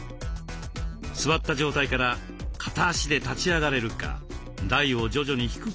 座った状態から片足で立ち上がれるか台を徐々に低くしながらテストします。